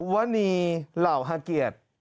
วนีเหล่าฮาเกียรติ